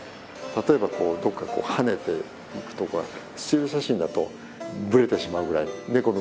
例えばこうどっか跳ねていくとかスチール写真だとぶれてしまうぐらいネコの動きって速いんですよ。